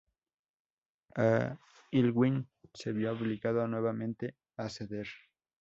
Aylwin se vio obligado nuevamente a ceder.